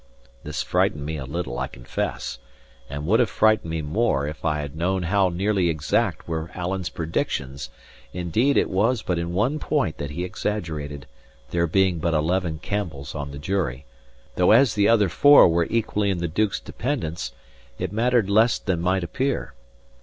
This frightened me a little, I confess, and would have frightened me more if I had known how nearly exact were Alan's predictions; indeed it was but in one point that he exaggerated, there being but eleven Campbells on the jury; though as the other four were equally in the Duke's dependence, it mattered less than might appear.